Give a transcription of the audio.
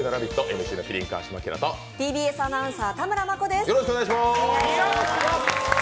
ＭＣの麒麟・川島明とＴＢＳアナウンサーの田村真子です。